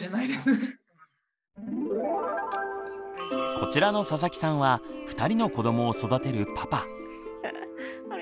こちらの佐々木さんは２人の子どもを育てるパパ。